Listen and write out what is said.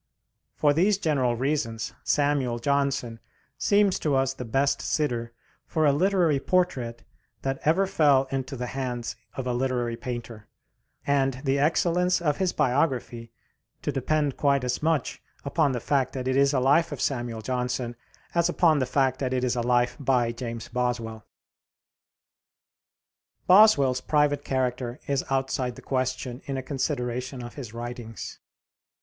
For these general reasons Samuel Johnson seems to us the best sitter for a literary portrait that ever fell into the hands of a literary painter, and the excellence of his biography to depend quite as much upon the fact that it is a life of Samuel Johnson as upon the fact that it is a life by James Boswell. Boswell's private character is outside the question in a consideration of his writings.